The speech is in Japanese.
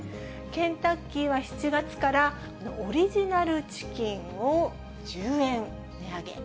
ケンタッキーは７月からオリジナルチキンを１０円値上げ。